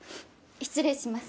失礼します。